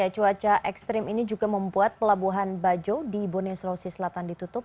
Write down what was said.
cuaca ekstrim ini juga membuat pelabuhan bajo di bone sulawesi selatan ditutup